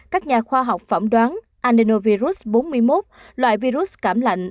các nhà khoa học phẩm đoán andenovirus bốn mươi một loại virus cảm lạnh